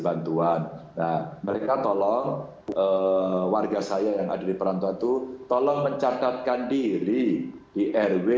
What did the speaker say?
bantuan nah mereka tolong warga saya yang ada di perantauan itu tolong mencatatkan diri di rw